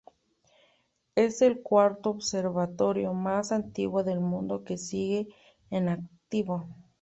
Es el cuarto observatorio más antiguo del mundo que sigue en activo.